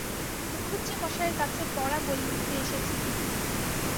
মুখুজ্যেমশায়ের কাছে পড়া বলে নিতে এসেছি দিদি।